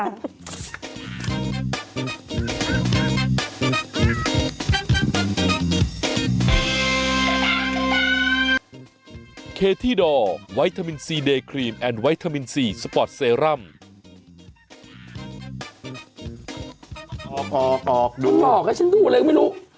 ออกดูออกแล้วฉันดูเลยไม่รู้